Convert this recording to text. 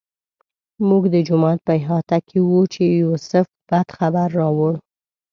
موږ د جومات په احاطه کې وو چې یوسف بد خبر راوړ.